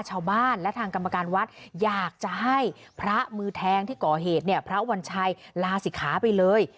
ชาวบ้านและทางกรรมการวัดอยากจะให้พระมือแทงที่ก่อเหตุเนี่ยพระวัญชัยลาศิกขาไปเลย